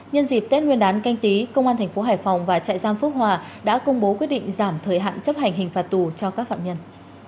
nhân dịp tết nguyên đán canh tí công an thành phố hải phòng và trại giam phước hòa đã công bố quyết định giảm thời hạn chấp hành hình phạt tù cho các phạm nhân